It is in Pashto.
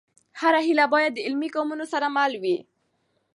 هره هېله باید د عملي ګامونو سره مل وي.